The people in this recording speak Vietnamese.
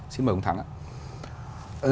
xin mời ông thắng ạ